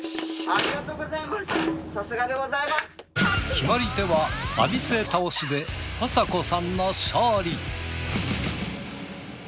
決まり手は浴びせ倒しであさこさんの勝利。